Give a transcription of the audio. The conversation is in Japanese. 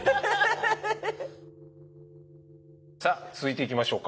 さあ続いていきましょうか。